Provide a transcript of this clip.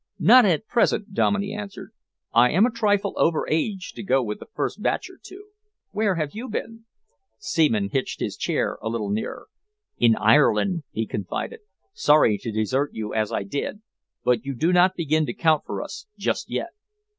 "Not at present," Dominey answered. "I am a trifle over age to go with the first batch or two. Where have you been?" Seaman hitched his chair a little nearer. "In Ireland," he confided. "Sorry to desert you as I did, but you do not begin to count for us just yet.